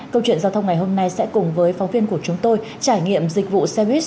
câu chuyện giao thông ngày hôm nay sẽ cùng với phóng viên của chúng tôi trải nghiệm dịch vụ sars cov hai